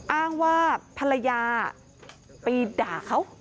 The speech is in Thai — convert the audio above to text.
อ้างว่าภรรยาไปด่าเขา